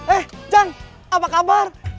eh jan apa kabar